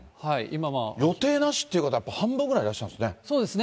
予定なしって方はやっぱ半分ぐらいいらっしゃるんですね。